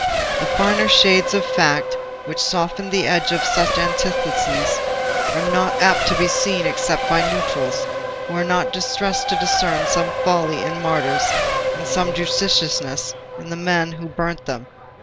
The finer shades of fact which soften the edge of such antitheses are not apt to be seen except by neutrals, who are not distressed to discern some folly in martyrs and some judiciousness in the men who burnt them.